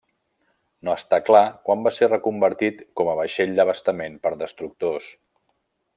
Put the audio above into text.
No està clar quan va ser reconvertit com a vaixell d'abastament per destructors.